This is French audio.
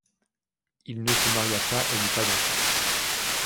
Il ne se maria pas et n'eut pas d'enfant.